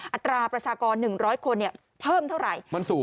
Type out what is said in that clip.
อัตราประชากร๑๐๐คนเพิ่มเท่าไหร่